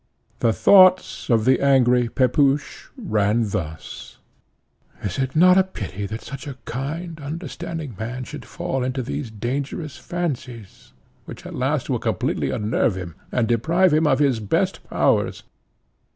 The thoughts of the angry Pepusch ran thus, "Is it not a pity that such a kind, understanding man should fall into these dangerous fancies, which at last will completely unnerve him, and deprive him of his best powers?